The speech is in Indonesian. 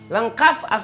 lengkaf avk gak